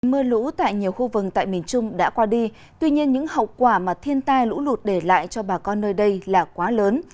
mưa lũ tại nhiều khu vực tại miền trung đã qua đi tuy nhiên những hậu quả mà thiên tai lũ lụt để lại cho bà con nơi đây là quá lớn